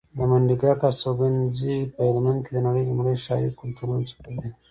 د منډیګک استوګنځی په هلمند کې د نړۍ لومړني ښاري کلتورونو څخه دی